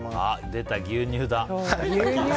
出た、牛乳だ！